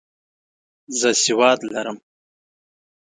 زه سواد لرم.